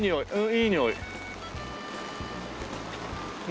いいにおい。